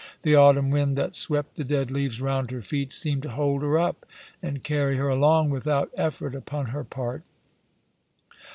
The autumn wind that swept the dead leaves round her feet seemed to hold her up and carry her along without effort upon her part.